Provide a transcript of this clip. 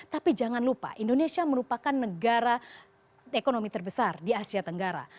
tapi jangan lupa indonesia merupakan negara ekonomi terbesar di asia tenggara